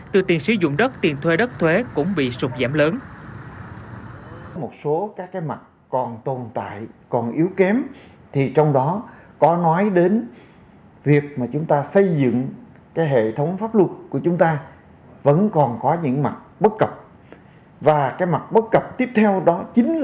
từ tiền sử dụng đất tiền thuê đất thuế cũng bị sụp giảm lớn